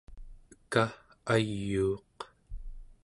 eka ayuuq